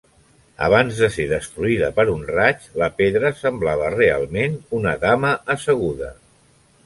Abans de ser destruïda per un raig, la pedra semblava realment una dama asseguda.